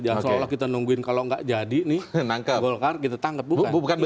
jangan seolah olah kita nungguin kalau nggak jadi nih golkar kita tangkap bukan